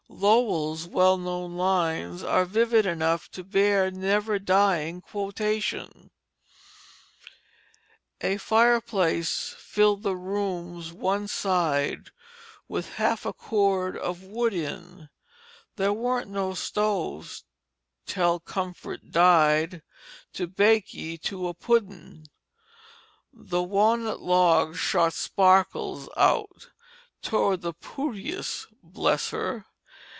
Lowell's well known lines are vivid enough to bear never dying quotation: "A fireplace filled the rooms one side With half a cord of wood in There warn't no stoves (tell comfort died) To bake ye to a puddin'. "The wa'nut log shot sparkles out Towards the pootiest bless her!